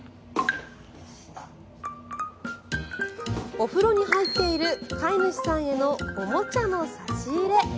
お風呂に入っている飼い主さんへのおもちゃの差し入れ。